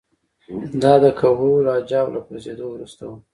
دا د کهول اجاو له پرځېدو وروسته وه